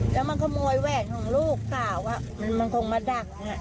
แล้วมันขโมยแหวนของลูกสาวมันคงมาดัก